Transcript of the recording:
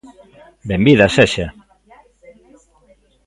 Benvida sexa.